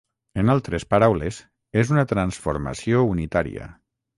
En altres paraules, és una transformació unitària.